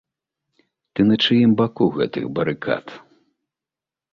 Ты на чыім баку гэтых барыкад?